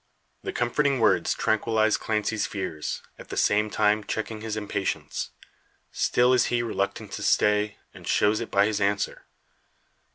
The comforting words tranquillise Clancy's fears, at the same time checking his impatience. Still is he reluctant to stay, and shows it by his answer.